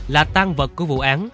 là tan vật của vụ án